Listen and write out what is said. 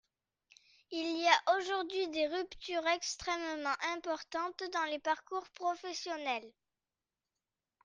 Il y a aujourd’hui des ruptures extrêmement importantes dans les parcours professionnels.